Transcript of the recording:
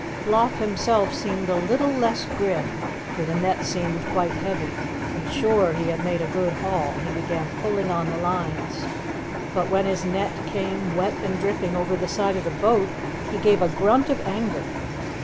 Bloff himself seemed a little less grim, for the net seemed quite heavy, and sure he had made a good haul, he began pulling on the lines. But when his net came wet and dripping over the side of the boat, he gave a grunt of anger.